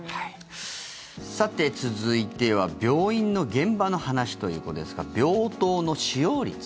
さて、続いては病院の現場の話ということですが病棟の使用率。